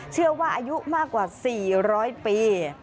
เชื่อว่าอายุมากกว่า๔๐๐ปี